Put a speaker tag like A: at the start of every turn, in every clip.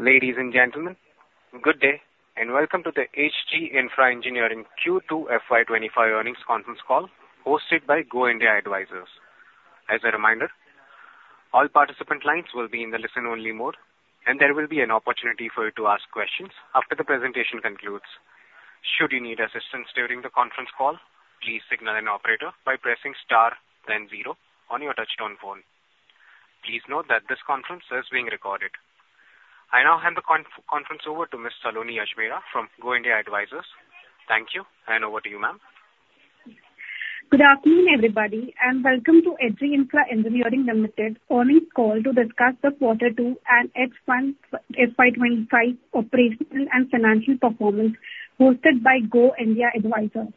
A: Ladies and gentlemen, good day and welcome to the H.G. Infra Engineering Q2 FY25 Earnings Conference Call hosted by Go India Advisors. As a reminder, all participant lines will be in the listen-only mode, and there will be an opportunity for you to ask questions after the presentation concludes. Should you need assistance during the conference call, please signal an operator by pressing star, then zero on your touch-tone phone. Please note that this conference is being recorded. I now hand the conference over to Ms. Saloni Ajmera from Go India Advisors. Thank you, and over to you, ma'am.
B: Good afternoon, everybody, and welcome to H.G. Infra Engineering Limited's earnings call to discuss the Quarter 2 and H1 FY25 operational and financial performance hosted by Go India Advisors.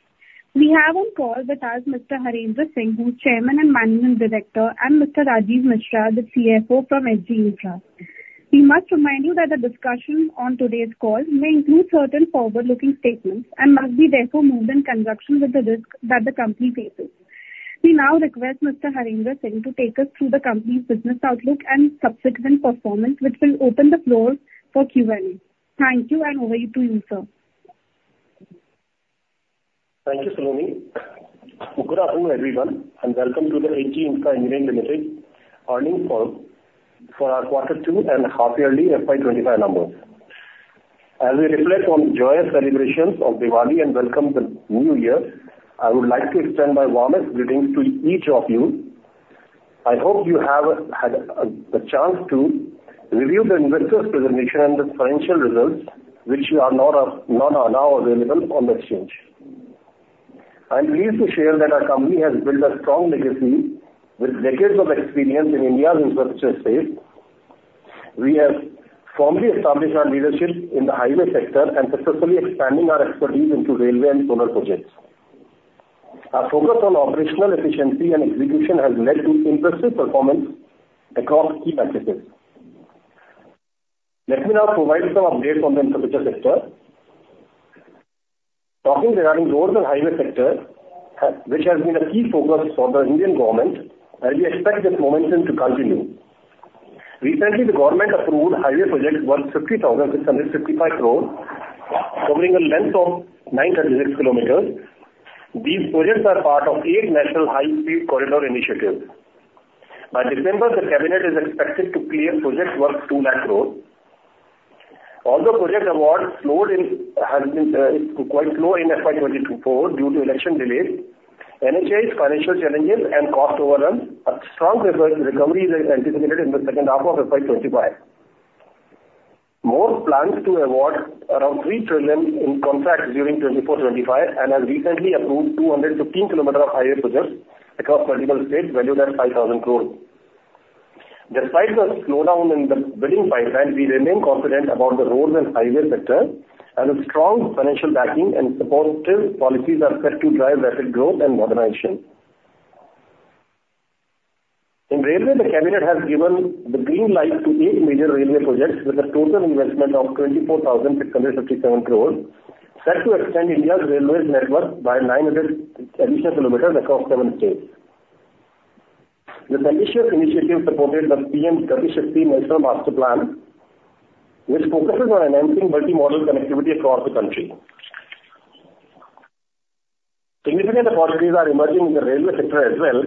B: We have on call with us Mr. Harendra Singh, who's Chairman and Managing Director, and Mr. Rajiv Mishra, the CFO from H.G. Infra. We must remind you that the discussion on today's call may include certain forward-looking statements and must be therefore moved in conjunction with the risk that the company faces. We now request Mr. Harendra Singh to take us through the company's business outlook and subsequent performance, which will open the floor for Q&A. Thank you, and over to you, sir.
C: Thank you, Saloni. Good afternoon, everyone, and welcome to the H.G. Infra Engineering Limited Earnings Call for our Quarter 2 and half-yearly FY25 numbers. As we reflect on joyous celebrations of Diwali and welcome the new year, I would like to extend my warmest greetings to each of you. I hope you have had the chance to review the investors' presentation and the financial results, which are now available on the exchange. I'm pleased to share that our company has built a strong legacy with decades of experience in India's infrastructure space. We have formally established our leadership in the highway sector and successfully expanded our expertise into railway and solar projects. Our focus on operational efficiency and execution has led to impressive performance across key metrics. Let me now provide some updates on the infrastructure sector. Talking regarding roads and highway sector, which has been a key focus for the Indian government, and we expect this momentum to continue. Recently, the government approved highway projects worth 50,655 crores, covering a length of 936 km. These projects are part of eight national high-speed corridor initiatives. By December, the cabinet is expected to clear project worth 2 crores. Although project awards slowed, quite slow in FY24 due to election delays, NHAI's financial challenges and cost overruns, a strong recovery is anticipated in the second half of FY25. MoRTH plans to award around 3 trillion in contracts during 2024-2025 and have recently approved 215 km of highway projects across multiple states valued at 5,000 crores. Despite the slowdown in the bidding pipeline, we remain confident about the roads and highway sector, and strong financial backing and supportive policies are set to drive rapid growth and modernization. In railway, the Cabinet has given the green light to eight major railway projects with a total investment of 24,657 crores, set to extend India's railway network by 900 km additional across seven states. This ambitious initiative supported the PM Gati Shakti National Master Plan, which focuses on enhancing multimodal connectivity across the country. Significant opportunities are emerging in the railway sector as well,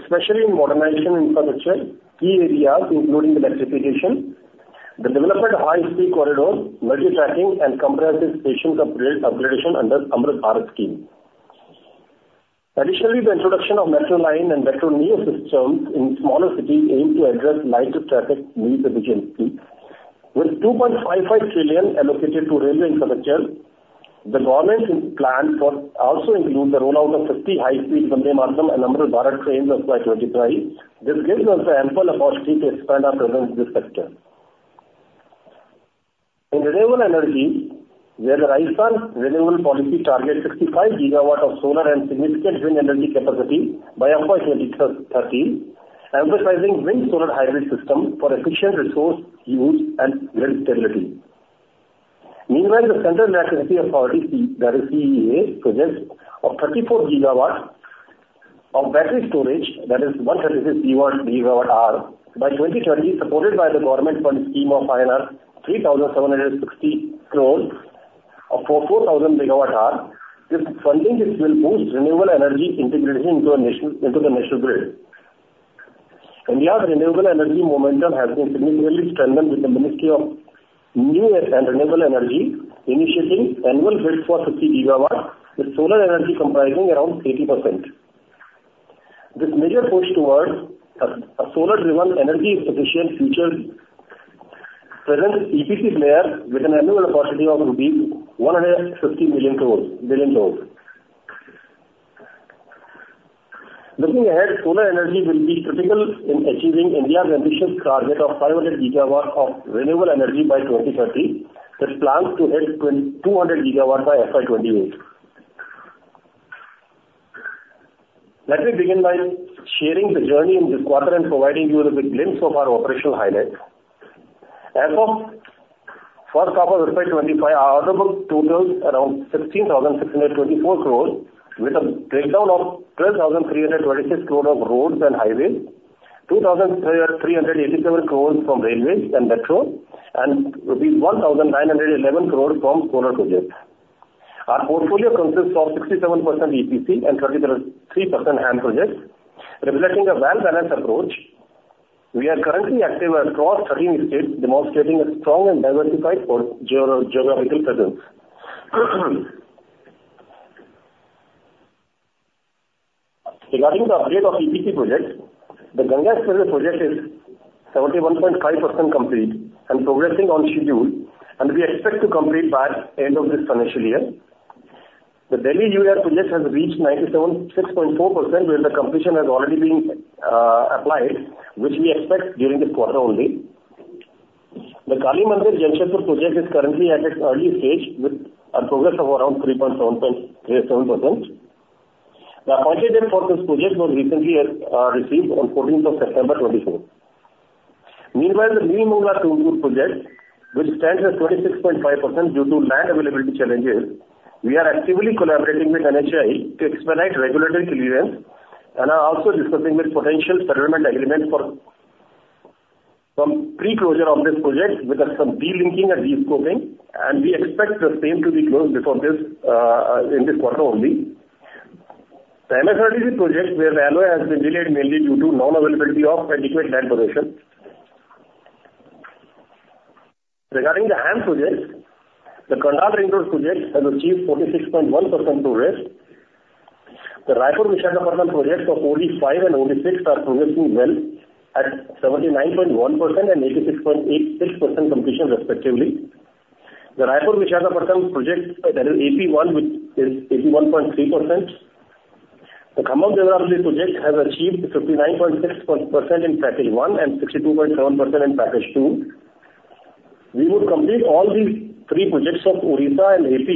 C: especially in modernization and infrastructure key areas, including electrification, the development of high-speed corridors, multi-tracking, and comprehensive station upgradation under the Amrit Bharat scheme. Additionally, the introduction of Metro Lite and Metro Neo systems in smaller cities aims to address light traffic needs efficiently. With 2.55 trillion allocated to railway infrastructure, the government's plan also includes the rollout of 50 high-speed Vande Bharat and Amrit Bharat trains of FY25. This gives us the ample opportunity to expand our presence in this sector. In renewable energy, where the Rajasthan Renewable Policy targets 65 GW of solar and significant wind energy capacity by FY30, emphasizing wind-solar hybrid systems for efficient resource use and grid stability. Meanwhile, the Central Electricity Authority, that is CEA, projects 34 GW of battery storage, that is 136 GW by 2030, supported by the government fund scheme of INR 3,760 crores for 4,000 MW hours. This funding will boost renewable energy integration into the national grid. In India, the renewable energy momentum has been significantly strengthened with the Ministry of New and Renewable Energy initiating annual bid for 50 GW, with solar energy comprising around 80%. This major push towards a solar-driven energy efficient future presents EPC players with an annual opportunity of rupees 150 million crores. Looking ahead, solar energy will be critical in achieving India's ambitious target of 500 GW of renewable energy by 2030, with plans to hit 200 GW by FY28. Let me begin by sharing the journey in this quarter and providing you with a glimpse of our operational highlights. As of the first half of FY25, our order book totals around 16,624 crores, with a breakdown of 12,326 crores of roads and highways, 2,387 crores from railways and metro, and 1,911 crores from solar projects. Our portfolio consists of 67% EPC and 33% HAM projects, reflecting a well-balanced approach. We are currently active across 13 states, demonstrating a strong and diversified geographical presence. Regarding the update of EPC projects, the Ganga Express project is 71.5% complete and progressing on schedule, and we expect to complete by the end of this financial year. The Delhi/UER project has reached 96.4%, where the completion has already been applied, which we expect during this quarter only. The Kali Mandir-Jamshedpur project is currently at its early stage with a progress of around 3.7%. The appointed date for this project was recently received on 14th of September 2024. Meanwhile, the Neelamangala-Tumkur project, which stands at 26.5% due to land availability challenges, we are actively collaborating with NHAI to expedite regulatory clearance and are also discussing with potential settlement agreements for pre-closure of this project with some de-linking and de-scoping, and we expect the same to be closed in this quarter only. The MSRDC project, where the LOA has been delayed mainly due to non-availability of adequate land possession. Regarding the HAM projects, the Karnal Ring Road project has achieved 46.1% progress. The Raipur-Vishakhapatnam projects, of OD-5 and OD-6, are progressing well at 79.1% and 86.86% completion, respectively. The Raipur-Vishakhapatnam project, that is AP-1, is 81.3%. The Khammam-Devarapalle project has achieved 59.6% in Package 1 and 62.7% in Package 2. We would complete all these three projects of Odisha and AP,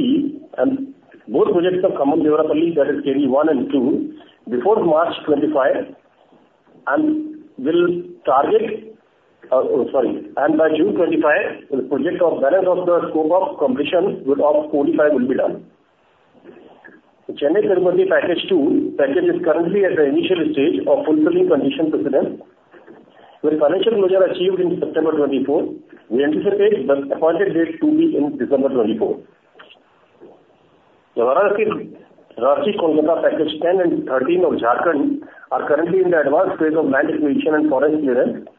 C: and both projects of Khammam-Devarapalle, that is KD-1 and KD-2, before March 2025, and by June 2025, the balance of the scope of completion of OD-5 will be done. The Chennai-Tirupati Package 2 package is currently at the initial stage of fulfilling conditions precedent. With financial closure achieved in September 2024, we anticipate the appointed date to be in December 2024. The Varanasi-Kolkata Package 10 and 13 of Jharkhand are currently in the advanced phase of land acquisition and forest clearance.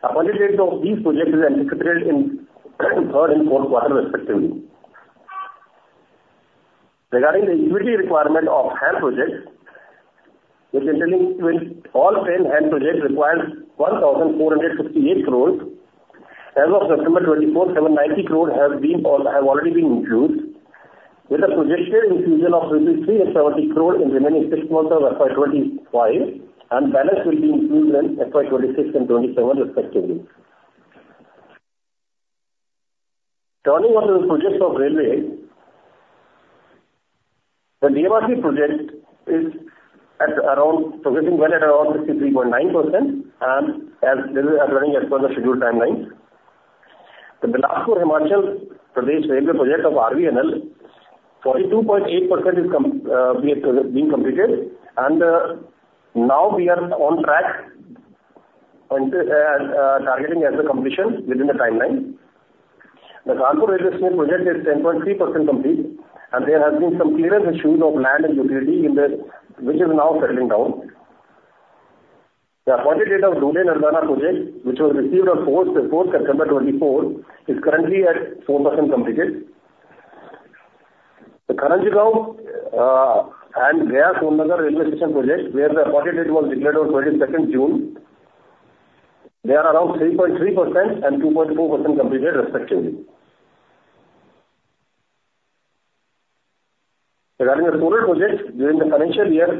C: Appointed dates of these projects are anticipated in the third and fourth quarter, respectively. Regarding the equity requirement of HAM projects, which all 10 HAM projects require 1,458 crores, as of September 2024, 790 crores have already been infused, with a projected infusion of rupees 370 crores in the remaining six months of FY25, and the balance will be infused in FY26 and FY27, respectively. Turning to the railway projects, the DMRC project is progressing well at around 63.9%, and this is occurring at further scheduled timelines. The Bilaspur-Himachal Pradesh Railway project of RVNL is 42.8% completed, and now we are on track targeting completion within the timeline. The Kanpur-Railway project is 10.3% complete, and there have been some clearance issues of land and utility, which is now settling down. The appointed date of the Dhule-Nardana project, which was received on the 4th of September 2024, is currently at 4% completed. The Karanjgaon and Gaya-Son Nagar Railway station project, where the appointed date was declared on the 22nd of June. They are around 3.3% and 2.4% completed, respectively. Regarding the solar projects, during the financial year,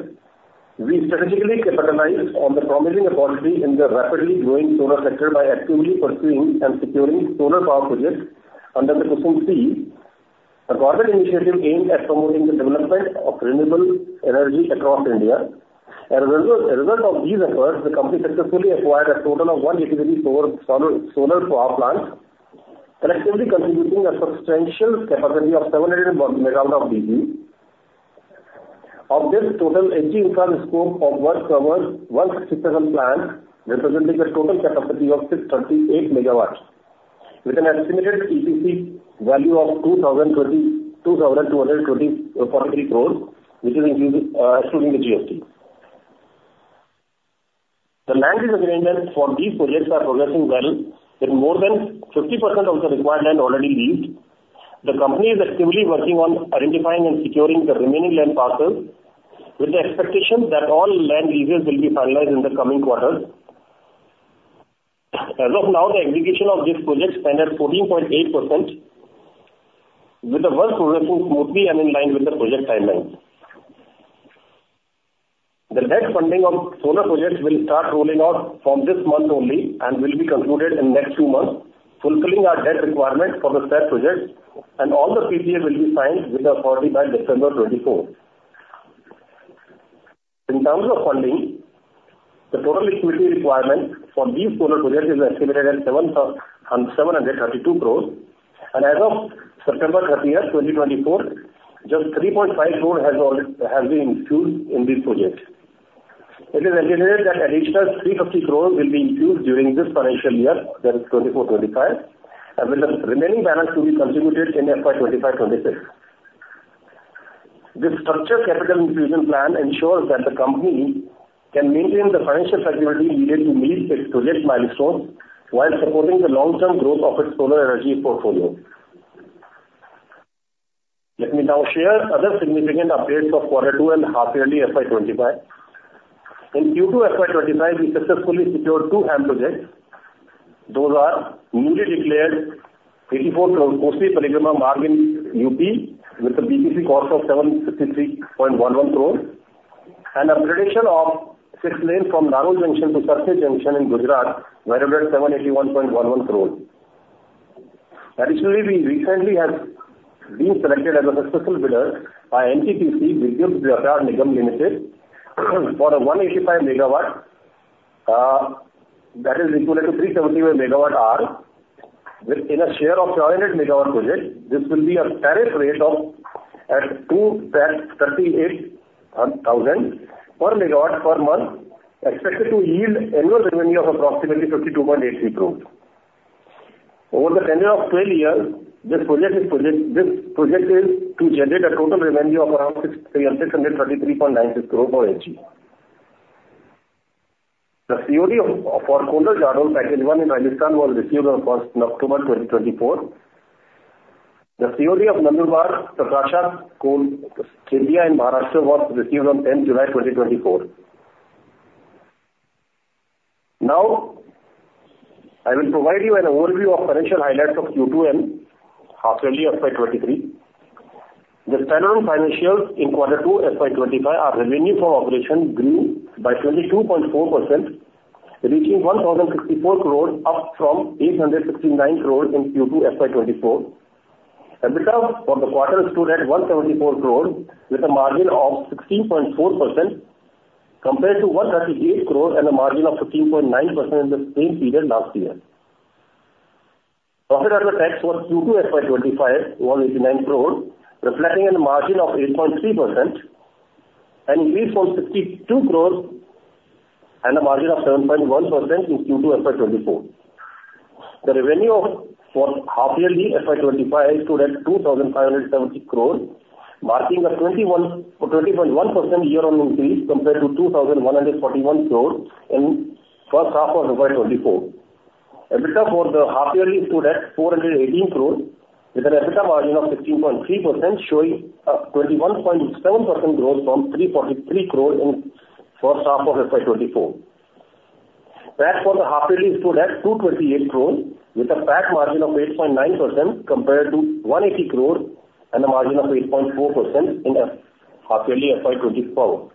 C: we strategically capitalized on the promising opportunity in the rapidly growing solar sector by actively pursuing and securing solar power projects under the KUSUM-C, a corporate initiative aimed at promoting the development of renewable energy across India. As a result of these efforts, the company successfully acquired a total of 183 solar power plants, collectively contributing a substantial capacity of 700 MWof DC. Of this total, H.G. Infra's scope of work covers 167 plants, representing a total capacity of 638 MW, with an estimated EPC value of 2,243 crores, which is excluding the GST. The land lease agreements for these projects are progressing well, with more than 50% of the required land already leased. The company is actively working on identifying and securing the remaining land parcels, with the expectation that all land leases will be finalized in the coming quarter. As of now, the execution of these projects stands at 14.8%, with the work progressing smoothly and in line with the project timelines. The debt funding of solar projects will start rolling out from this month only and will be concluded in the next two months, fulfilling our debt requirement for the said projects, and all the PPAs will be signed with authority by December 2024. In terms of funding, the total equity requirement for these solar projects is estimated at 732 crores, and as of September 30, 2024, just 3.5 crores have been infused in these projects. It is anticipated that additional 350 crores will be infused during this financial year, that is 2024-2025, and with the remaining balance to be contributed in FY 2025-2026. This structured capital infusion plan ensures that the company can maintain the financial flexibility needed to meet its project milestones while supporting the long-term growth of its solar energy portfolio. Let me now share other significant updates of quarter two and half-yearly FY25. In Q2 FY25, we successfully secured two HAM projects. Those are newly declared NH 227B 84 Kosi Parikrama Marg in UP, with a BPC cost of 753.11 crores, and a six-lanes from Narol Junction to Sarkhej Junction in Gujarat, valued at 781.11 crores. Additionally, we recently have been selected as a successful bidder by NTPC Vidyut Vyapar Nigam Ltd, for a 185 MW, that is equal to 370 megawatt-hour, with a share of 500 megawatt projects. This will be a tariff rate of 238,000 per megawatt per month, expected to yield annual revenue of approximately 52.83 crores. Over the tenure of 12 years, this project is to generate a total revenue of around 633.96 crores for HG. The COD for Kundal-Jhadol Package 1 in Rajasthan was received on 1st of October 2024. The COD of Nandurbar-Prakasha-Shahada-Khetia, in Maharashtra was received on 10 July 2024. Now, I will provide you an overview of financial highlights of Q2 and half-yearly FY25. The standalone financials in quarter two FY25 are revenue from operations grew by 22.4%, reaching 1,064 crores up from 869 crores in Q2 FY24. EBITDA for the quarter is at 174 crores, with a margin of 16.4% compared to 138 crores and a margin of 15.9% in the same period last year. Profit after tax for Q2 FY25 was 189 crores, reflecting a margin of 8.3%, and increased from 62 crores and a margin of 7.1% in Q2 FY24. The revenue for half-yearly FY25 stood at 2,570 crores, marking a 20.1% year-on-year increase compared to 2,141 crores in the first half of FY24. EBITDA for the half-yearly stood at 418 crores, with an EBITDA margin of 16.3%, showing a 21.7% growth from 343 crores in the first half of FY24. PAT for the half-yearly stood at 228 crores, with a PAT margin of 8.9% compared to 180 crores and a margin of 8.4% in the half-yearly FY25.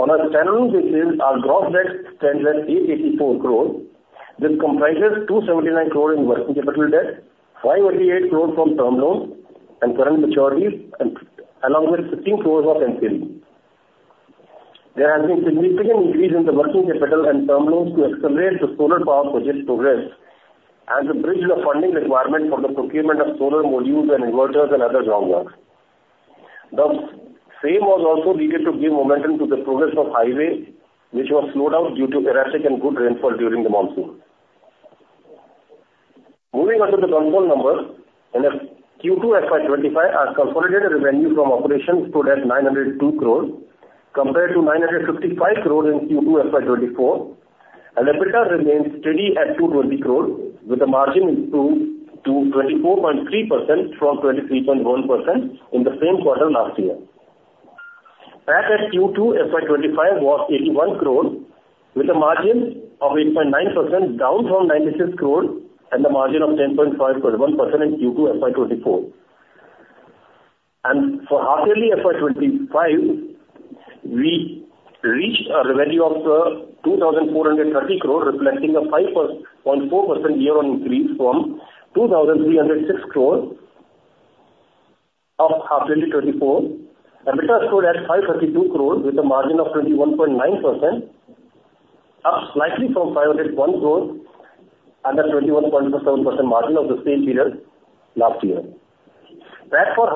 C: On a standalone basis, our gross debt stands at 884 crores. This comprises 279 crores in working capital debt, 588 crores from term loans and current maturities, along with 16 crores of NCDs. There has been a significant increase in the working capital and term loans to accelerate the solar power project progress and to bridge the funding requirement for the procurement of solar modules and inverters and other groundworks. The same was also needed to give momentum to the progress of highways, which were slowed down due to erratic and heavy rainfall during the monsoon. Moving on to the consolidated numbers, in Q2 FY25, our consolidated revenue from operations stood at 902 crores compared to 955 crores in Q2 FY24, and EBITDA remained steady at 220 crores, with a margin improved to 24.3% from 23.1% in the same quarter last year. PAT at Q2 FY25 was 81 crores, with a margin of 8.9%, down from 96 crores and a margin of 10.5% in Q2 FY24. For half-yearly FY25, we reached a revenue of 2,430 crores, reflecting a 5.4% year-over-year increase from 2,306 crores of half-yearly 2024. EBITDA stood at 532 crores, with a margin of 21.9%, up slightly from 501 crores and a 21.7% margin of the same period last year. PAT for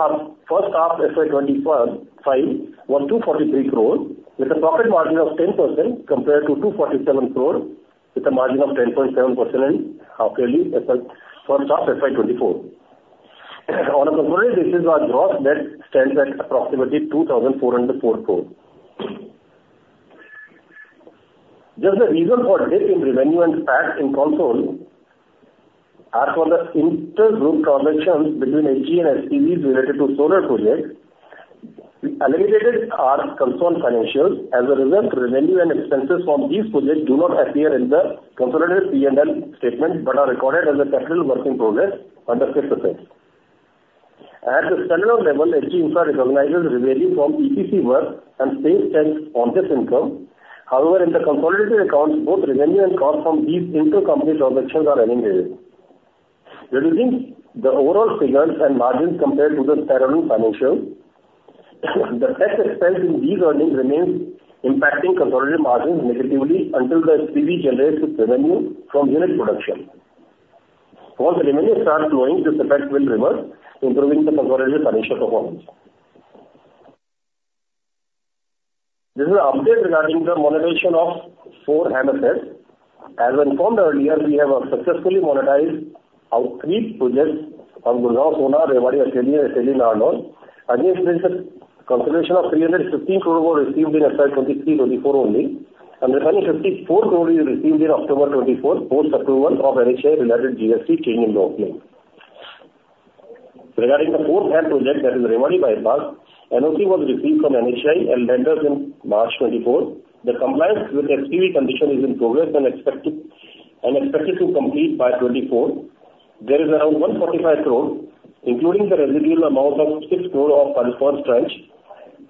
C: first half FY25 was 243 crores, with a profit margin of 10% compared to 247 crores, with a margin of 10.7% in half-yearly first half FY24. On a consolidated basis, our gross debt stands at approximately 2,404 crores. The reason for dip in revenue and PAT in consolidated are for the inter-group transactions between HG and SPVs related to solar projects. We eliminated in our consolidated financials. As a result, revenue and expenses from these projects do not appear in the consolidated P&L statement but are recorded as a capital work-in-progress under fixed assets. At the standalone level, H.G. Infra recognizes revenue from EPC work and subsidiary construction income. However, in the consolidated accounts, both revenue and costs from these inter-company transactions are eliminated. Reducing the overall figures and margins compared to the standalone financials, the tax expense in these earnings remains impacting consolidated margins negatively until the SPV generates its revenue from unit production. Once revenues start flowing, this effect will reverse, improving the consolidated financial performance. This is an update regarding the monetization of four HAM assets. As I informed earlier, we have successfully monetized our three projects from Gurgaon-Sohna, Rewari-Ateli, Ateli-Narnaul. Against this, a consideration of 315 crores was received in FY23-24 only, and the remaining 54 crores is received in October 2024 post-approval of NHAI-related GST change in the office. Regarding the fourth HAM project, that is Rewari Bypass, NOC was received from NHAI and lenders in March 2024. The compliance with SPV condition is in progress and expected to complete by 2024. There is around 145 crores, including the residual amount of 6 crores of transference tranche,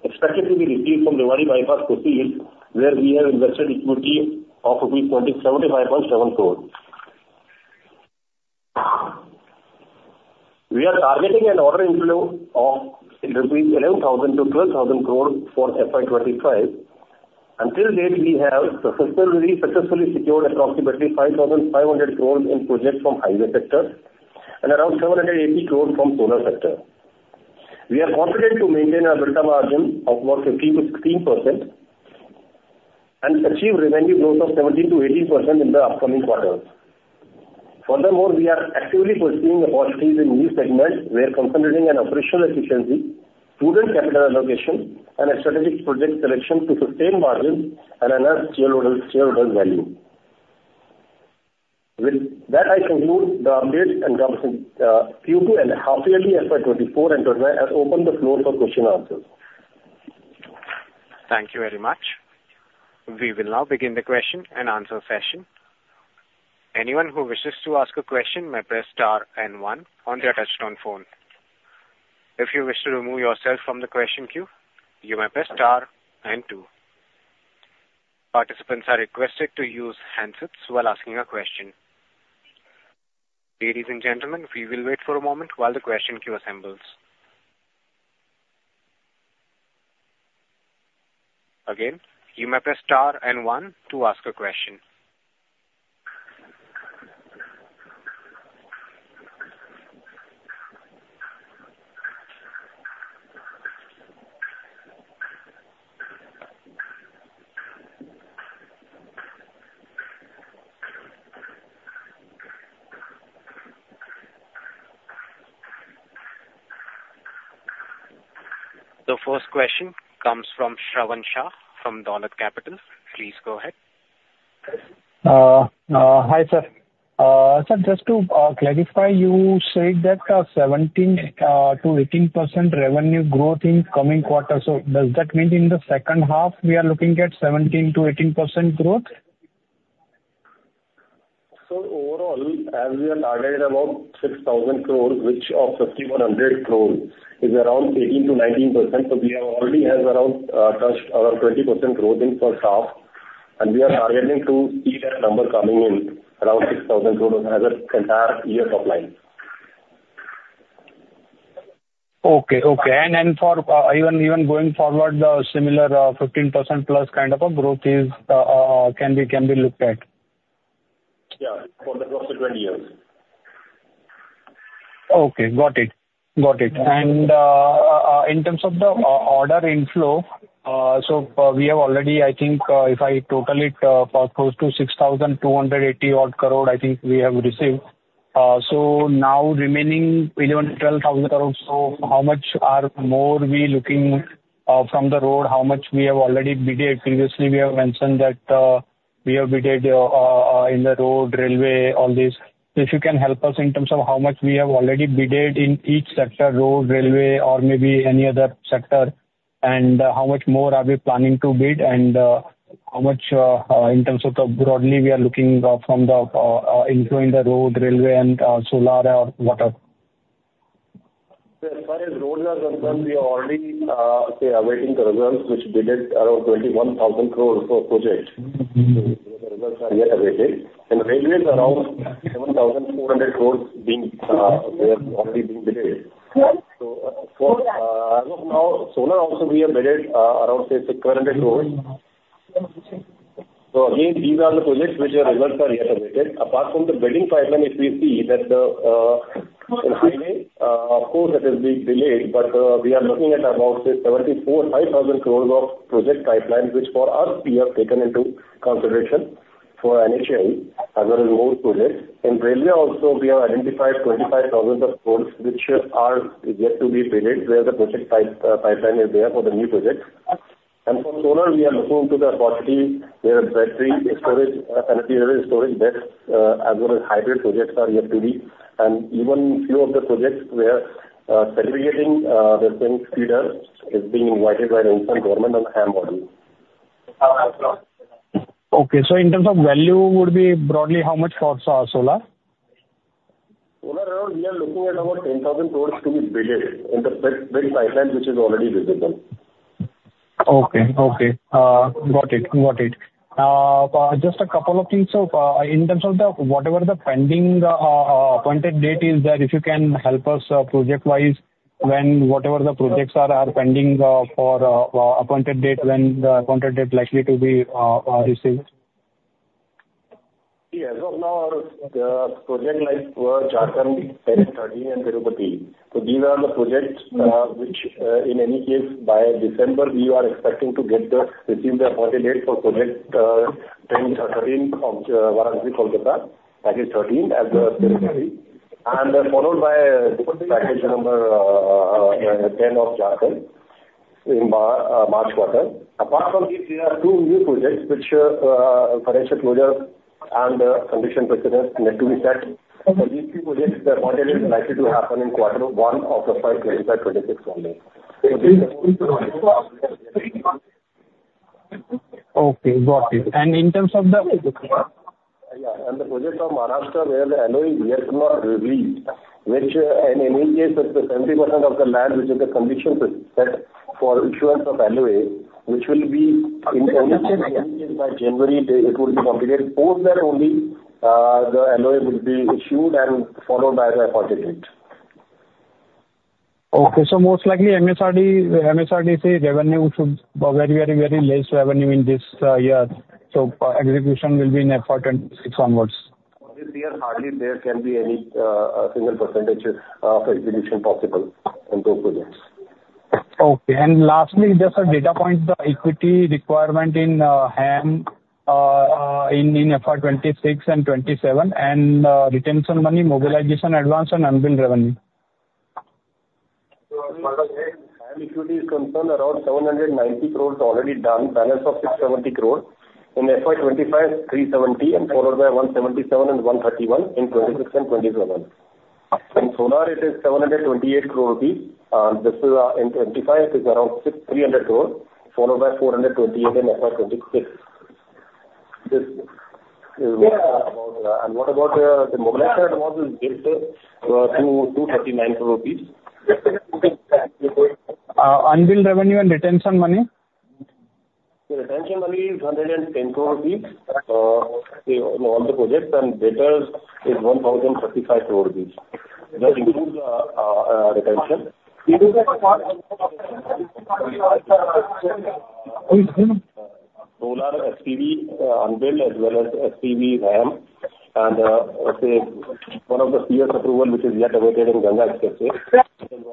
C: expected to be received from Rewari Bypass proceeds, where we have invested equity of rupees 275.7 crores. We are targeting an order inflow of rupees 11,000-12,000 crores for FY25. Until date, we have successfully secured approximately 5,500 crores in projects from highway sector and around 780 crores from solar sector. We are confident to maintain our EBITDA margin of about 15%-16% and achieve revenue growth of 17%-18% in the upcoming quarters. Furthermore, we are actively pursuing opportunities in new segments where consolidating and operational efficiency, sustainable capital allocation, and strategic project selection to sustain margins and enhance shareholder value. With that, I conclude the updates and Q2 and half-yearly FY24 and open the floor for questions and answers.
A: Thank you very much. We will now begin the question and answer session. Anyone who wishes to ask a question may press star and one on their touch-tone phone. If you wish to remove yourself from the question queue, you may press star and two. Participants are requested to use handsets while asking a question. Ladies and gentlemen, we will wait for a moment while the question queue assembles. Again, you may press star and one to ask a question. The first question comes from Shravan Shah from Dolat Capital. Please go ahead.
D: Hi, sir. Sir, just to clarify, you said that 17%-18% revenue growth in coming quarters, so does that mean in the second half, we are looking at 17%-18% growth?
C: So overall, as we are targeting about 6,000 crores, which of 5,100 crores is around 18%-19%, so we have already touched around 20% growth in the first half, and we are targeting to see that number coming in around 6,000 crores as an entire year top line.
D: Okay, okay, and then for even going forward, the similar 15% plus kind of a growth can be looked at?
C: Yeah, for the subsequent years.
D: Okay, got it. Got it, and in terms of the order inflow, so we have already, I think, if I total it, close to 6,280 crores, I think we have received. So now remaining 11,000-12,000 crores, so how much more are we looking from the road? How much have we already bid? Previously, we have mentioned that we have bid in the Road, Railway, all these. If you can help us in terms of how much we have already bid in each sector, road, railway, or maybe any other sector, and how much more are we planning to bid, and how much in terms of broadly we are looking from the inflow in the Road, Railway, and Solar or Water?
C: As far as Roads are concerned, we are already awaiting the results, which we bid around 21,000 crores for projects. The results are yet awaited. And Railways around 7,400 crores are already being bid. So as of now, solar also we have bid around INR 600 crores. So again, these are the projects which the results are yet awaited. Apart from the bidding pipeline, if we see that the highway, of course, it has been delayed, but we are looking at about 74,000 to 5,000 crores of project pipeline, which for us, we have taken into consideration for NHAI, as well as most projects. In railway also, we have identified 25,000 crores, which are yet to be bid, where the project pipeline is there for the new projects. For Solar, we are looking into the opportunity where battery storage, energy storage techs, as well as hybrid projects are yet to be. Even a few of the projects where separating the same feeders is being invited by the Indian government on the HAM model.
D: Okay, so in terms of value, would be broadly how much for solar?
C: Solar, we are looking at about 10,000 crores to be bid in the bid pipeline, which is already visible.
D: Okay, okay. Got it, got it. Just a couple of things. So in terms of whatever the pending appointed date is, if you can help us project-wise when whatever the projects are pending for appointed date, when the appointed date likely to be received?
C: Yes, so now the project lines were Jharkhand, 10, 13, and Tirupati. So these are the projects which, in any case, by December, we are expecting to receive the appointed date for project 10 or 13 of Varanasi-Kolkata package 13 as the Tirupati. And followed by package number 10 of Jharkhand in March quarter. Apart from these, there are two new projects which financial closure and conditions precedent need to be set. So these two projects, the appointed date is likely to happen in quarter one of the 25-26 only.
D: Okay, got it. And in terms of the...
C: Yeah, and the project of Maharashtra, where the LOA yet not released, which in any case, 70% of the land, which is the condition set for issuance of LOA, which will be in any case by January, it will be completed. Post that only, the LOA will be issued and followed by the appointed date.
D: Okay, so most likely MSRDC revenue should be very, very, very less revenue in this year. So execution will be in FY26 onwards.
C: This year, hardly there can be any single percentage of execution possible in those projects.
D: Okay, and lastly, just a data point, the equity requirement in HAM in FY26 and 27 and retention money, mobilization, advance, and unbilled revenue.
C: So the HAM equity is concerned around 790 crores already done, balance of 670 crores in FY25, 370, and followed by 177 and 131 in 2026 and 2027. In solar, it is 728 crores. This is in 2025, it is around 300 crores, followed by 428 in FY26. This is about... And what about the mobilization? It was billed to INR 239 crores.
D: Unbilled revenue and retention money?
C: The retention money is INR 110 crores in all the projects, and unbilled is INR 1,055 crores. Just include the retention. Solar, SPV unbilled, as well as SPV HAM, and one of the fierce approval, which is yet awaited in Ganga Expressway, which is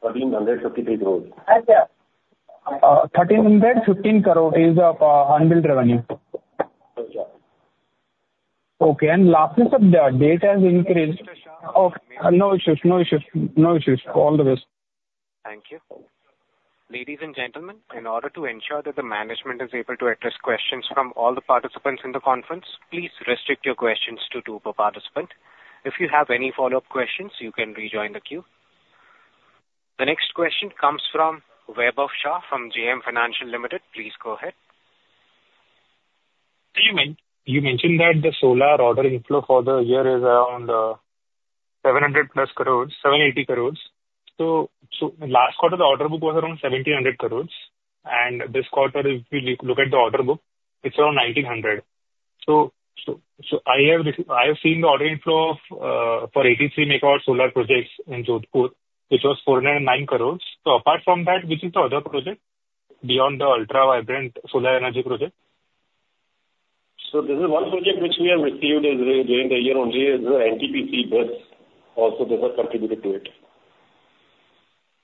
C: 1,353 crores.
D: 1,315 crores is of unbilled revenue?
C: Yes.
D: Okay, and lastly, so the debt has increased. Okay, no issues, no issues, no issues. All the best.
A: Thank you. Ladies and gentlemen, in order to ensure that the management is able to address questions from all the participants in the conference, please restrict your questions to two per participant. If you have any follow-up questions, you can rejoin the queue. The next question comes from Vaibhav Shah from JM Financial Limited. Please go ahead.
E: You mentioned that the solar order inflow for the year is around 700 plus crores, 780 crores. So last quarter, the order book was around 1,700 crores. And this quarter, if we look at the order book, it's around 1,900. So I have seen the order inflow for 83 megawatt solar projects in Jodhpur, which was 409 crores. So apart from that, which is the other project beyond the Ultra Vibrant Solar Energy project?
C: So there is one project which we have received during the year only, is NTPC, but also there's a contributor to it.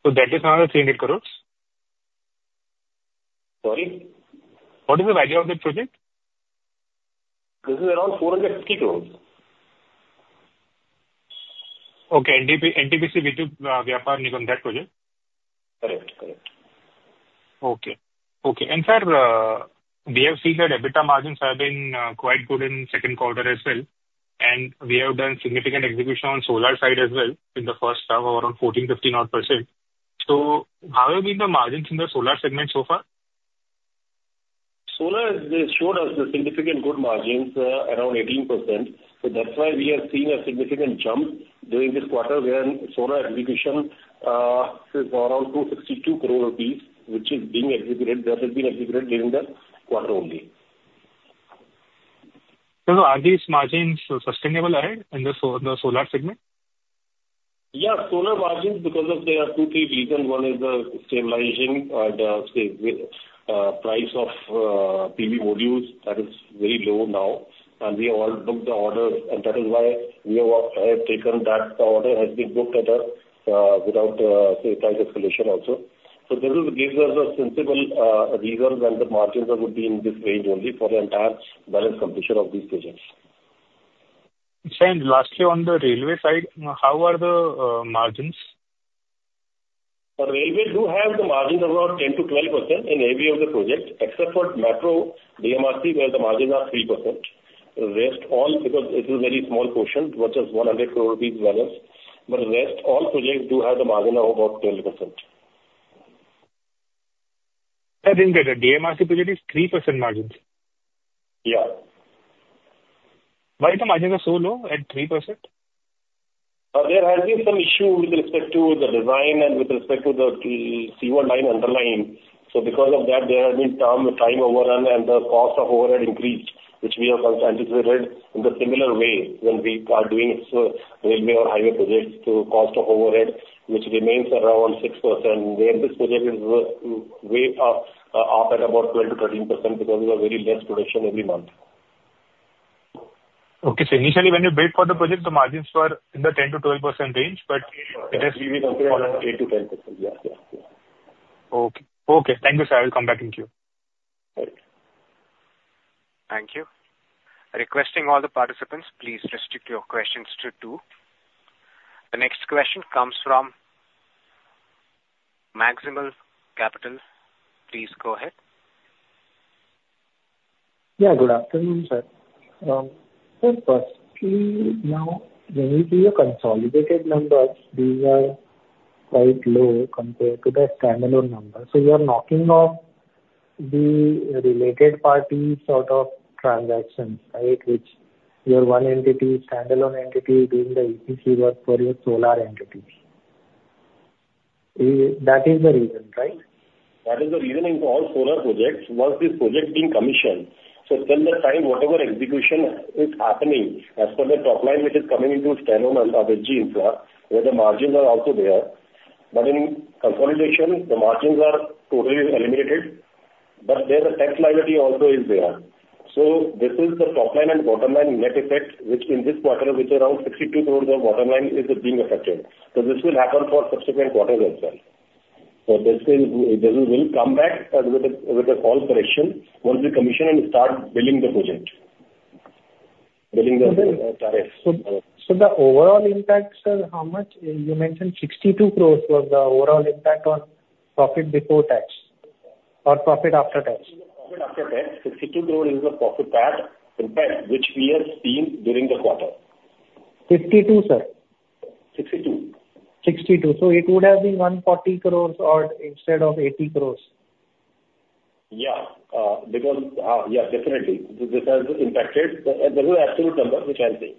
E: So that is another 300 crores?
C: Sorry?
E: What is the value of that project?
C: This is around INR450 crores.
E: Okay, NTPC Vidyut Vyapar Nigam, that project?
C: Correct, correct.
E: Okay, okay. In fact, we have seen that EBITDA margins have been quite good in second quarter as well. And we have done significant execution on solar side as well in the first half, around 14%-15%. So how have been the margins in the solar segment so far?
C: Solar has showed us the significant good margins, around 18%. So that's why we have seen a significant jump during this quarter, where solar execution is around 262 crores rupees, which is being executed, that has been executed during the quarter only.
E: So are these margins sustainable in the solar segment?
C: Yeah, solar margins, because of there are two, three reasons. One is the stabilizing price of PV modules that is very low now. And we all booked the orders, and that is why we have taken that the order has been booked at a without price escalation also. So this gives us a sensible reason that the margins would be in this range only for the entire balance completion of these projects.
E: And lastly, on the railway side, how are the margins?
C: The railways do have the margins around 10%-12% in any of the projects, except for metro, DMRC, where the margins are 3%. The rest, all because it is a very small portion, but just 100 crores balance. But the rest, all projects do have the margin of about 12%.
E: I didn't get that. DMRC project is 3% margins.
C: Yeah.
E: Why are the margins so low at 3%?
C: There has been some issue with respect to the design and with respect to the sewer line underlying. So because of that, there has been time overrun, and the cost of overhead increased, which we have anticipated in the similar way when we are doing railway or highway projects to cost of overhead, which remains around 6%, where this project is way off at about 12%-13% because we have very less production every month.
E: Okay, so initially when you bid for the project, the margins were in the 10%-12% range, but it has...
C: We compare around 8%-10%, yeah, yeah.
E: Okay, okay. Thank you, sir. I will come back in queue.
A: Thank you. Requesting all the participants, please restrict your questions to two. The next question comes from Maximus Capital. Please go ahead. Yeah, good afternoon, sir. So firstly, now when we see the consolidated numbers, these are quite low compared to the standalone numbers. So you are knocking off the related parties sort of transactions, right, which you are one entity, standalone entity doing the EPC work for your solar entity. That is the reason, right?
C: That is the reason in all solar projects once this project being commissioned. So spend the time whatever execution is happening as per the top line which is coming into standalone and H.G. Infra, where the margins are also there. But in consolidation, the margins are totally eliminated, but there's a tax liability also is there. So this is the top line and bottom line net effect, which in this quarter, which is around 62 crores of bottom line, is being affected. So this will happen for subsequent quarters as well. So this will come back with a small correction once we commission and start billing the project. Billing the tariffs. So the overall impact, sir. How much you mentioned 62 crores was the overall impact on profit before tax or profit after tax? Profit after tax. 62 crores is the profit that impacts which we have seen during the quarter. 52, sir? 62. IINR 62. It would have been 140 crores instead of 80 crores. Yeah, because yeah, definitely. This has impacted. This is the absolute number which I'm seeing.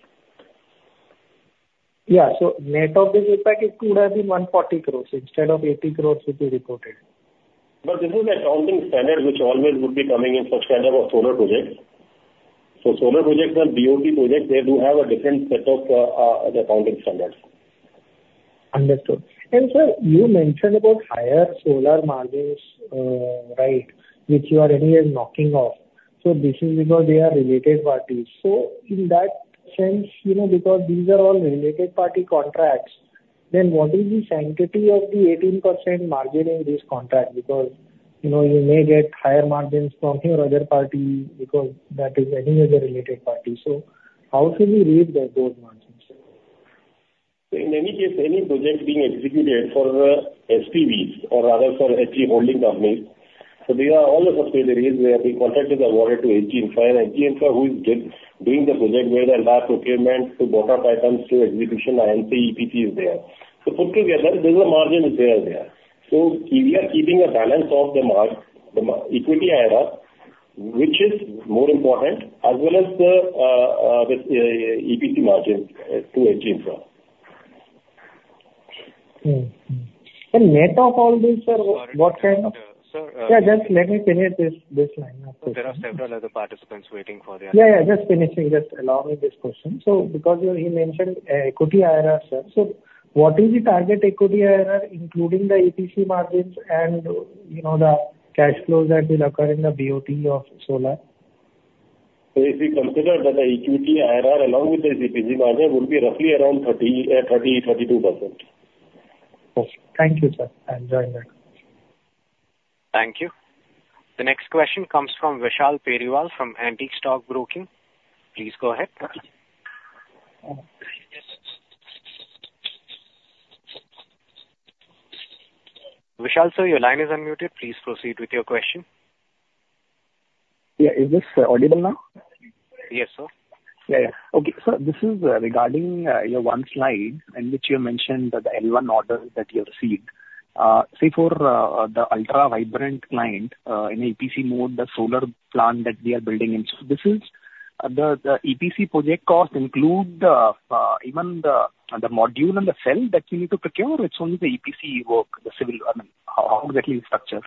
C: Yeah, so net of this impact, it would have been 140 crores instead of 80 crores which is reported. But this is the accounting standard which always would be coming in for standard of solar projects. Solar projects and BOT projects, they do have a different set of accounting standards. Understood. And sir, you mentioned about higher solar margins, right, which you are anyway knocking off. This is because they are related parties. So in that sense, because these are all related party contracts, then what is the sanctity of the 18% margin in these contracts? Because you may get higher margins from your other party because that is any other related party. So how should we read those margins? So in any case, any project being executed for SPVs or rather for H.G. holding companies, so there are all the subsidiaries where the contract is awarded to H.G. Infra and H.G. Infra who is doing the project where there are procurement to water pipelines to execution and EPC is there. So put together, this margin is there. So we are keeping a balance of the equity IRR, which is more important, as well as the EPC margin to H.G. Infra. And net of all this, sir, what kind of... Yeah, just let me finish this line. There are several other participants waiting for the answer. Yeah, yeah, just finishing, just allow me this question. So because you mentioned equity IRR, sir, so what is the target equity IRR, including the EPC margins and the cash flows that will occur in the BOT of solar? So if we consider that the equity IRR along with the EPC margin would be roughly around 30%, 32%. Okay, thank you, sir. I'll join that.
A: Thank you. The next question comes from Vishal Periwal from Antique Stock Broking. Please go ahead. Vishal, sir, your line is unmuted. Please proceed with your question.
F: Yeah, is this audible now?
A: Yes, sir.
F: Yeah, yeah. Okay, sir, this is regarding your one slide in which you mentioned the L1 orders that you received. So for the Ultra Vibrant client in EPC mode, the solar plant that we are building in, so this is the EPC project cost include even the module and the cell that you need to procure, or it's only the EPC work, the civil I mean, how exactly is it structured?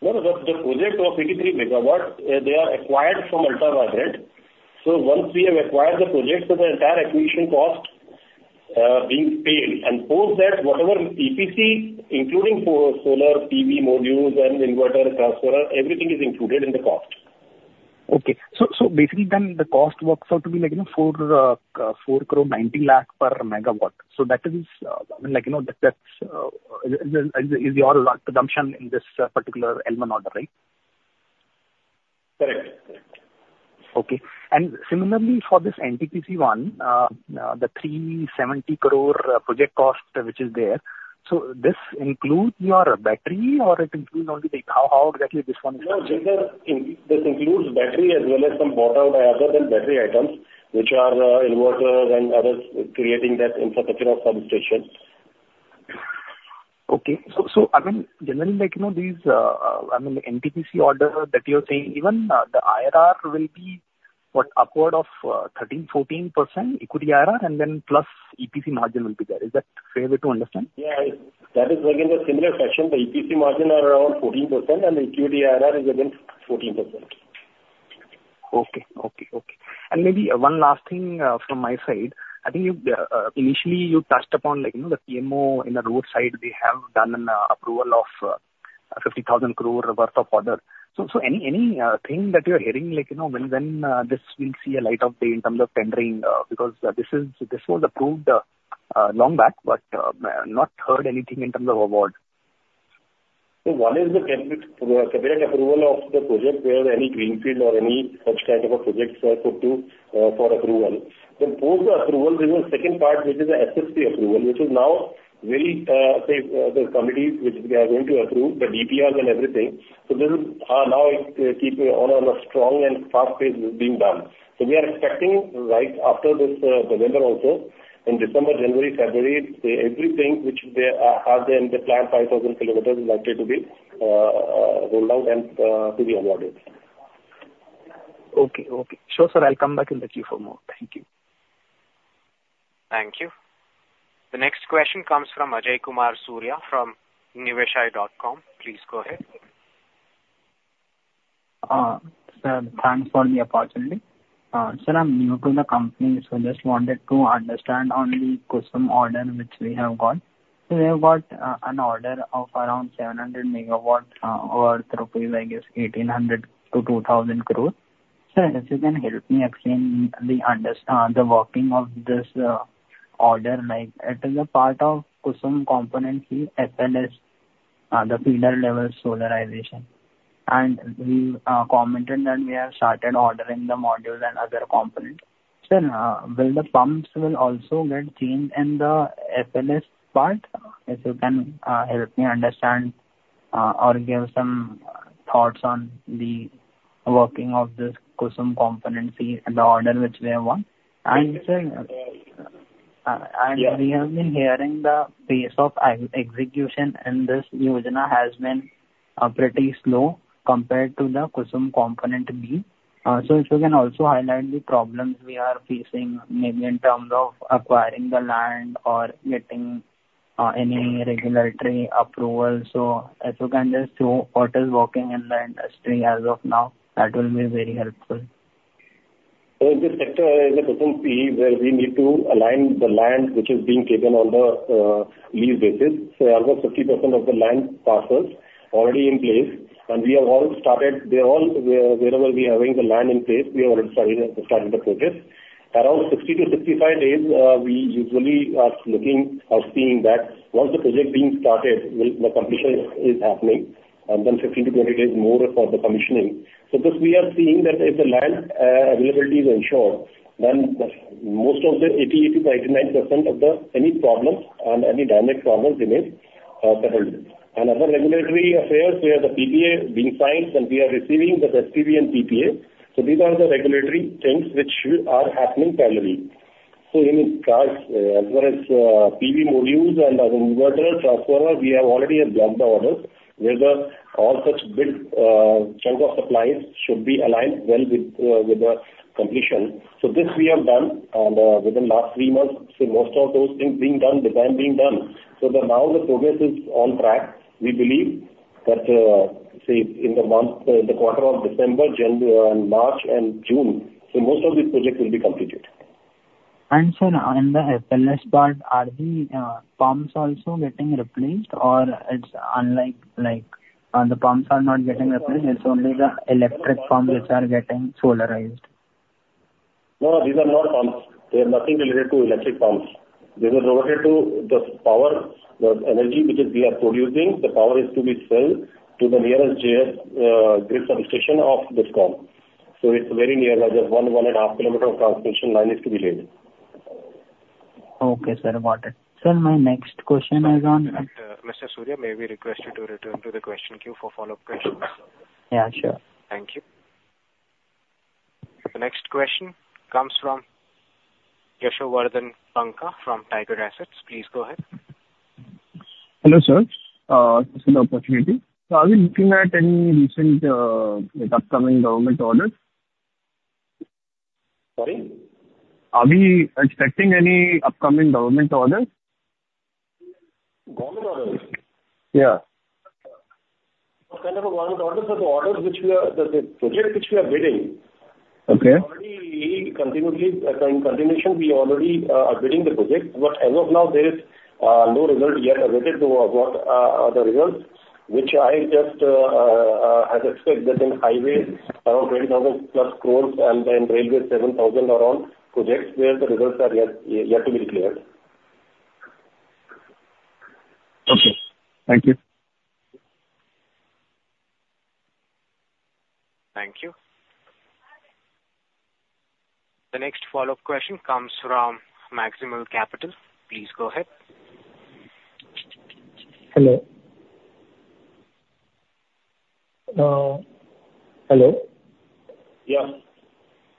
C: No, the project of 83 MW, they are acquired from Ultra Vibrant. So once we have acquired the project, so the entire acquisition cost being paid. And post that, whatever EPC, including solar PV modules and inverter crossover, everything is included in the cost.
F: Okay, so basically then the cost works out to be like 4.90 per megawatt. So that is like that is your presumption in this particular L1 order, right?
C: Correct, correct.
F: Okay, and similarly for this NTPC one, the 370 crore project cost which is there, so this includes your battery or it includes only the how exactly this one is structured?
C: No, this includes battery as well as some water other than battery items, which are inverters and others creating that infrastructure of substation.
F: Okay, so I mean, generally like these I mean, the NTPC order that you're saying, even the IRR will be what, upward of 13%-14% equity IRR, and then plus EPC margin will be there. Is that fair way to understand?
C: Yeah, that is again the similar fashion. The EPC margin is around 14%, and the equity IRR is again 14%.
F: Okay, okay, okay. And maybe one last thing from my side. I think initially you touched upon the PMO in the road side, they have done an approval of 50,000 crore worth of order. So, anything that you're hearing when this will see a light of day in terms of tendering? Because this was approved long back, but not heard anything in terms of award?
C: So one is the cabinet approval of the project where any greenfield or any such kind of a project is put up for approval. Then post the approval, there is a second part which is the SSC approval, which is now with the committees which they are going to approve, the DPRs and everything. So this is now on a strong and fast pace being done. So we are expecting right after this November also, in December, January, February, everything which they have in the plan, 5,000 km likely to be rolled out and to be awarded.
F: Okay, okay. Sure, sir. I'll come back in the queue for more. Thank you.
A: Thank you. The next question comes from Ajaykumar Surya from Niveshaay.com. Please go ahead.
G: Sir, thanks for the opportunity. Sir, I'm new to the company, so I just wanted to understand on the KUSUM order which we have got. So we have got an order of around 700 MW worth, I guess 1,800-2,000 crores. Sir, if you can help me explain the working of this order, like it is a part of KUSUM Components, the Feeder Level Solarization. And we commented that we have started ordering the module and other components. Sir, will the pumps also get changed in the FLS part? If you can help me understand or give some thoughts on the working of this KUSUM Component C and the order which we have got. Sir, we have been hearing the pace of execution in this Yojana has been pretty slow compared to the KUSUM component B? If you can also highlight the problems we are facing maybe in terms of acquiring the land or getting any regulatory approval? If you can just show what is working in the industry as of now, that will be very helpful.
C: In this sector, in the KUSUM C, where we need to align the land which is being taken on the lease basis, almost 50% of the land parcels already in place. We have all started wherever we are having the land in place; we have already started the process. Around 60-65 days, we usually are looking or seeing that once the project being started, the completion is happening. Then 15-20 days more for the commissioning. So, because we are seeing that if the land availability is ensured, then most of the 88%-99% of any problems and any damage problems remain settled. And other regulatory affairs where the PPA being signed and we are receiving the SPV and PPA. So these are the regulatory things which are happening parallelly. So France, as well as PV modules and inverter transformer, we have already blocked the orders where all such big chunk of supplies should be aligned well with the completion. So this we have done within the last three months. So most of those things being done, design being done. So now the progress is on track. We believe that, say, in the quarter of December, and March and June, so most of these projects will be completed.
G: And, sir, in the FLS part, are the pumps also getting replaced or it's unlike like the pumps are not getting replaced, it's only the electric pumps which are getting solarized?
C: No, these are not pumps. They are nothing related to electric pumps. They were rotated to the power, the energy which we are producing, the power is to be sold to the nearest grid substation of this comp. So it's very nearby, just 1.5 km of transmission line is to be laid.
G: Okay, sir, got it. Sir, my next question is on...
A: Mr. Surya, may we request you to return to the question queue for follow-up questions?
G: Yeah, sure. Thank you.
A: The next question comes from Yashvardhan from Tiger Assets. Please go ahead.
H: Hello, sir. This is an opportunity. So are we looking at any recent upcoming government orders?
C: Sorry?
H: Are we expecting any upcoming government orders?
C: Government orders?
H: Yeah.
C: What kind of a government orders? So the orders which we are the project which we are bidding. Okay. Already continuously in continuation, we already are bidding the project. But as of now, there is no result yet related to what are the results, which I just have expected that in highways, around 20,000 plus crores and then railway 7,000 around projects where the results are yet to be declared.
H: Okay. Thank you.
A: Thank you. The next follow-up question comes from Maximus Capital. Please go ahead. Hello. Hello? Yes.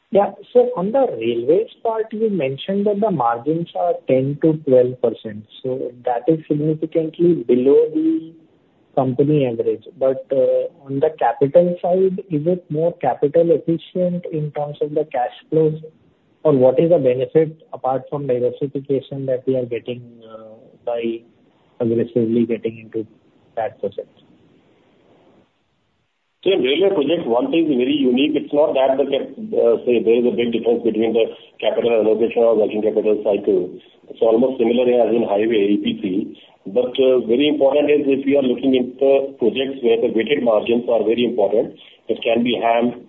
A: Yeah, so on the railways part, you mentioned that the margins are 10%-12%. So that is significantly below the company average. But on the capital side, is it more capital efficient in terms of the cash flows? Or what is the benefit apart from diversification that we are getting by aggressively getting into that project?
C: So in railway project, one thing is very unique. It's not that there is a big difference between the capital allocation or working capital cycle. It's almost similar as in highway EPC. But very important is if you are looking into projects where the weighted margins are very important, it can be HAM,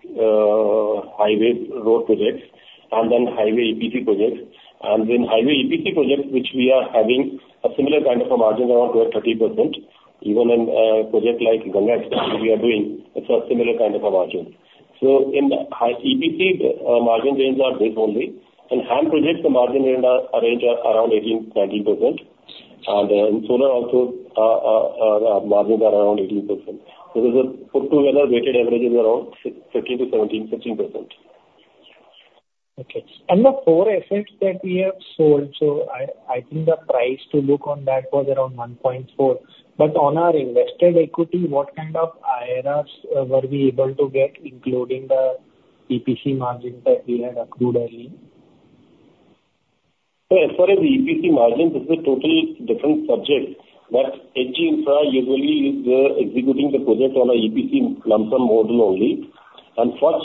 C: highway road projects, and then highway EPC projects. And then highway EPC projects which we are having a similar kind of a margin around 12%-30%. Even in projects like Ganga Express, we are doing, it's a similar kind of a margin. So in EPC, margin range are this only. In HAM projects, the margin range are around 18%-19%. And in solar also, margins are around 18%. So this is put together, weighted average is around 15%-17%. Okay. And the four assets that we have sold, so I think the price to look on that was around 1.4. But on our invested equity, what kind of IRRs were we able to get, including the EPC margin that we had accrued earlier? So as far as the EPC margin, this is a total different subject. But H.G. Infra usually is executing the project on an EPC lump sum model only. And for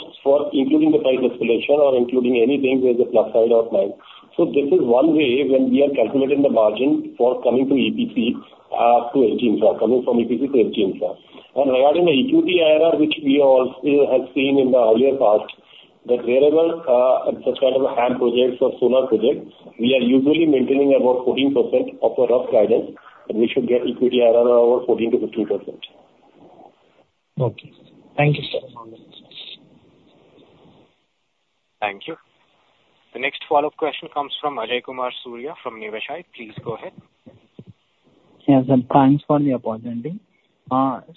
C: including the price escalation or including anything with the plus side of mine. So this is one way when we are calculating the margin for coming to EPC to H.G. Infra, coming from EPC to H.G. Infra. And regarding the equity IRR, which we also have seen in the earlier past, that wherever it's a kind of a HAM project or solar project, we are usually maintaining about 14% of a rough guidance that we should get equity IRR of 14%-15%. Okay. Thank you, sir.
A: Thank you. The next follow-up question comes from Ajaykumar Surya from Niveshaay. Please go ahead.
G: Yes, sir. Thanks for the opportunity.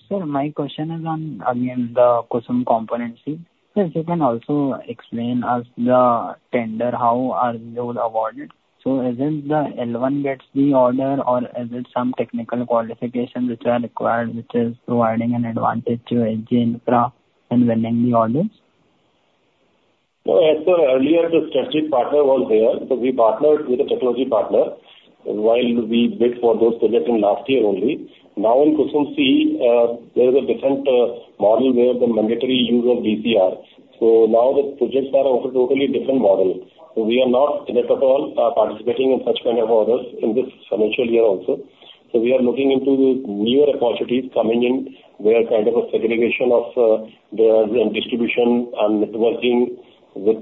G: Sir, my question is on, again, the KUSUM component C. Sir, if you can also explain as the tender, how are those awarded? So is it the L1 gets the order, or is it some technical qualifications which are required, which is providing an advantage to H.G. Infra and winning the orders?
C: No, as per earlier, the strategic partner was there. So we partnered with a technology partner while we bid for those projects in last year only. Now in KUSUM C, there is a different model where the mandatory use of DCR. So now the projects are of a totally different model. So we are not at all participating in such kind of orders in this financial year also. So we are looking into newer opportunities coming in, where kind of a segregation of the distribution and networking with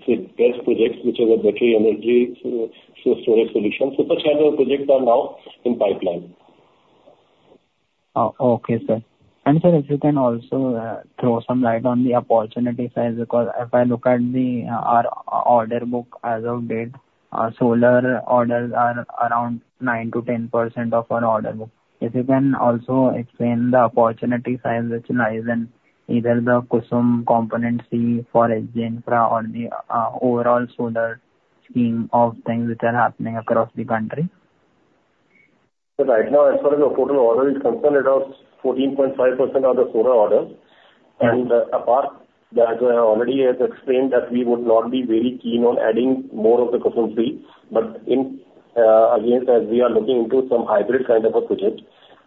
C: the best projects, which is a battery energy storage solution. So such kind of projects are now in pipeline.
G: Okay, sir. And sir, if you can also throw some light on the opportunity size, because if I look at the order book as of date, solar orders are around 9%-10% of our order book. If you can also explain the opportunity size, which lies in either the KUSUM Component C for H.G. Infra or the overall solar scheme of things which are happening across the country.
C: Right now, as far as the total order is concerned, it is 14.5% of the solar orders. And apart from that, already I have explained that we would not be very keen on adding more of the KUSUM C. But again, as we are looking into some hybrid kind of a project,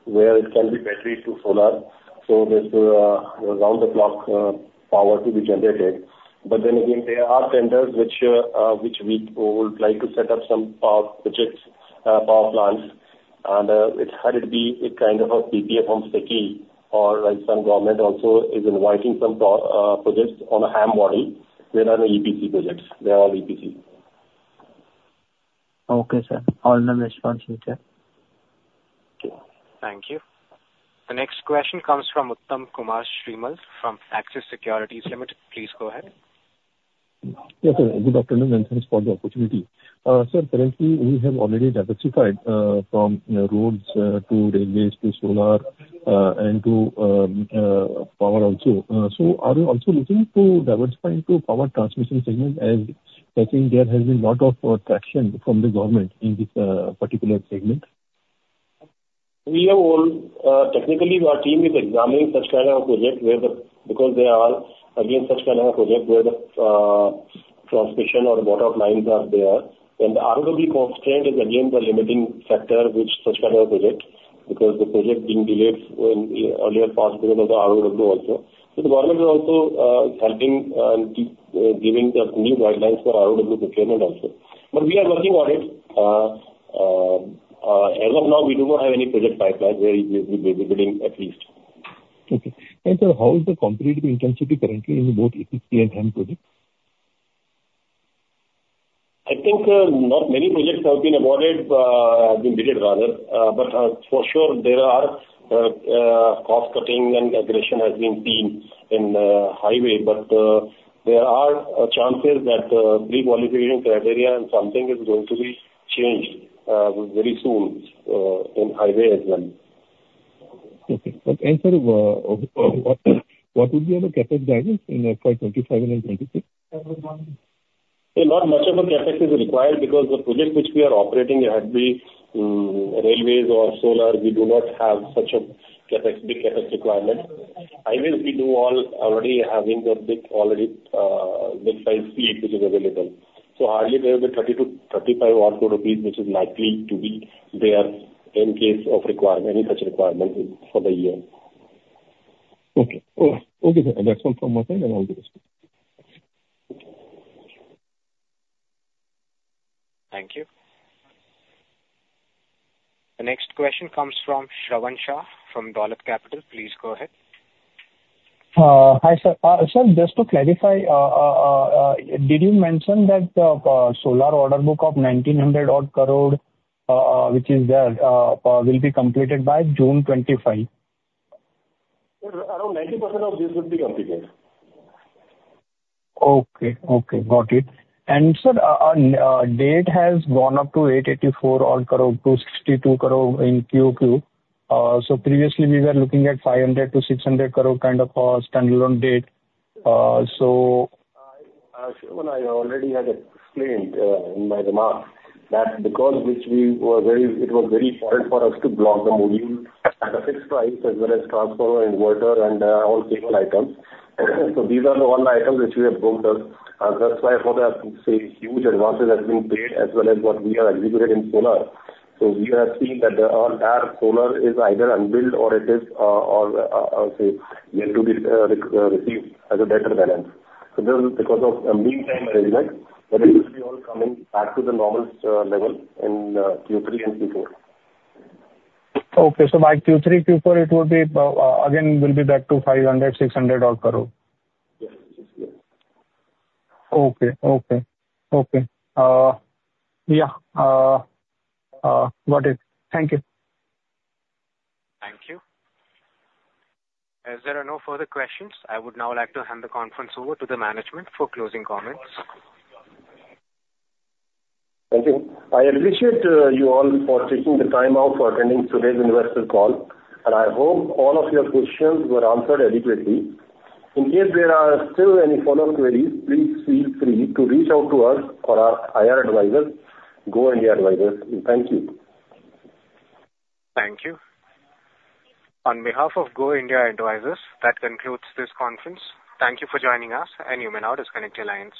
C: where it can be battery to solar, so there's round the clock power to be generated. But then again, there are tenders which we would like to set up some power projects, power plants. And it has to be a kind of a PPA on SECI, or some government also is inviting some projects on a HAM model. They are not EPC projects. They are all EPC.
G: Okay, sir. All the best for you, sir.
A: Okay. Thank you. The next question comes from Uttam Kumar Srimal from Axis Securities Limited. Please go ahead. Yes, sir.
I: Good afternoon and thanks for the opportunity. Sir, currently, we have already diversified from roads to railways to Solar and to Power also, so are you also looking to diversify into power transmission segment, as I think there has been a lot of traction from the government in this particular segment?
C: We have all technically, our team is examining such kind of projects where the because they are all, again, such kind of projects where the transmission or water lines are there, and the ROW constraint is, again, the limiting factor which such kind of project, because the project being delayed earlier past because of the ROW also, so the government is also helping and giving the new guidelines for ROW procurement also, but we are working on it. As of now, we do not have any project pipeline where we will be bidding at least.
I: Okay. Sir, how is the competitive intensity currently in both EPC and HAM projects?
C: I think not many projects have been awarded, have been bid rather. But for sure, there are cost cutting and aggression has been seen in the Highway. But there are chances that the pre-qualification criteria and something is going to be changed very soon in highway as well.
I: Okay. Sir, what would be the CapEx guidance for 2025 and 2026?
C: Not much of a CapEx is required because the project which we are operating had to be railways or solar. We do not have such a big CapEx requirement. Highways, we do all already having the big already big size fleet which is available. So hardly there will be 35 or so which is likely to be there in case of any such requirement for the year.
I: Okay. Okay, sir. That's all from my side. All the best.
A: Thank you. The next question comes from Shravan Shah from Dolat Capital. Please go ahead.
D: Hi, sir. Sir, just to clarify, did you mention that the solar order book of 1,900-odd crore which is there will be completed by June 2025?
C: Around 90% of this will be completed.
D: Okay. Okay. Got it. And sir, debt has gone up from 62 crore to 884-odd crore in Q2. So previously, we were looking at 500-600 crore kind of a standalone debt.
C: So, as I already had explained in my remarks, because it was very important for us to block the module at a fixed price as well as transformer, inverter, and all cable items. So these are the only items which we have booked. That's why for the huge advances have been paid as well as what we have executed in solar. So we have seen that our solar is either unbilled or it is or will be received as a debtor balance. So this is because of meantime arrangement that it will be all coming back to the normal level in Q3 and Q4.
D: Okay. So by Q3, Q4, it will be again, will be back to 500-600 crore.
C: Yes. Yes.
D: Okay. Okay. Okay. Yeah. Got it. Thank you.
A: Thank you. Is there no further questions? I would now like to hand the conference over to the management for closing comments.
C: Thank you. I appreciate you all for taking the time out for attending today's investor call. And I hope all of your questions were answered adequately. In case there are still any follow-up queries, please feel free to reach out to us or our IR Advisors, Go India Advisors. Thank you.
A: Thank you. On behalf of Go India Advisors, that concludes this conference. Thank you for joining us, and you may now disconnect your lines.